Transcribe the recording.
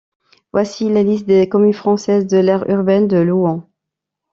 Voici la liste des communes françaises de l'aire urbaine de Louhans.